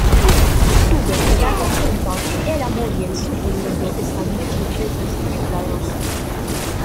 Tuve que darme cuenta que el amor y el sufrimiento están muchas veces conectados.